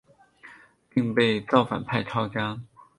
并被造反派抄家。